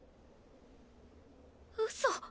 うそ。